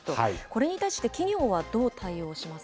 これに対して企業はどう対応しま